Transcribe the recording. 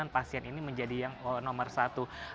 pasien ini menjadi yang nomor satu